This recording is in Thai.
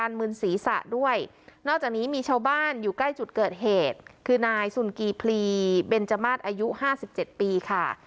มึนศีรษะด้วยนอกจากนี้มีชาวบ้านอยู่ใกล้จุดเกิดเหตุคือนายสุนกีพลีเบนจมาสอายุห้าสิบเจ็ดปีค่ะ